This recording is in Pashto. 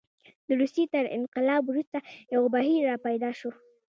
د روسیې تر انقلاب وروسته یو بهیر راپیدا شو.